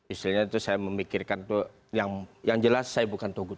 istilahnya itu saya memikirkan itu yang jelas saya bukan togut